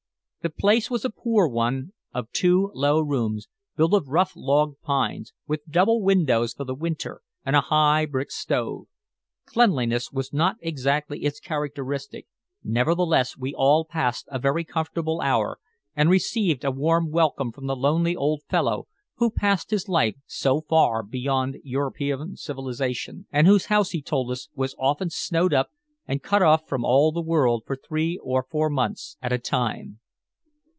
The place was a poor one of two low rooms, built of rough log pines, with double windows for the winter and a high brick stove. Cleanliness was not exactly its characteristic, nevertheless we all passed a very comfortable hour, and received a warm welcome from the lonely old fellow who passed his life so far beyond European civilization, and whose house, he told us, was often snowed up and cut off from all the world for three or four months at a time.